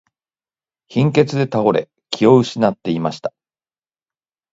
貧血で倒れ、気を失っていました。